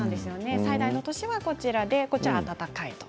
最大の都市はこちらで暖かいです。